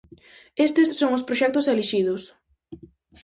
Estes son os proxectos elixidos.